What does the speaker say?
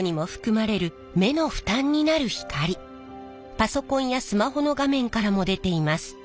パソコンやスマホの画面からも出ています。